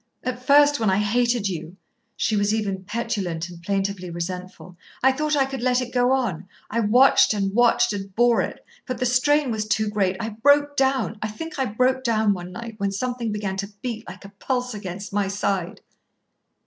"At first, when I hated you," she was even petulant and plaintively resentful, "I thought I could let it go on. I watched, and watched, and bore it. But the strain was too great. I broke down. I think I broke down one night, when something began to beat like a pulse against my side."